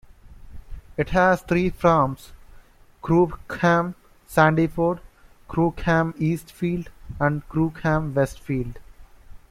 It has three farms, Crookham Sandyford, Crookham Eastfield, and Crookham Westfield.